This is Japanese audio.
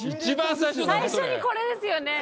最初にこれですよね！